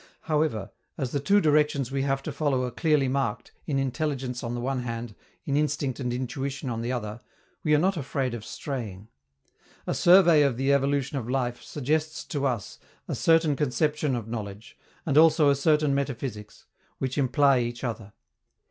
However, as the two directions we have to follow are clearly marked, in intelligence on the one hand, in instinct and intuition on the other, we are not afraid of straying. A survey of the evolution of life suggests to us a certain conception of knowledge, and also a certain metaphysics, which imply each other.